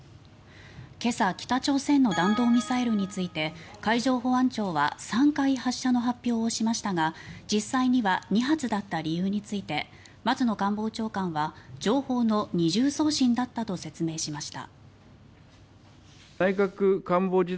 今朝北朝鮮の弾道ミサイルについて海上保安庁は３回発射の発表をしましたが実際には２発だった理由について松野官房長官は情報の二重送信だったと説明しました。